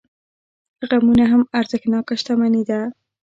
غمونه هم ارزښتناکه شتمني ده.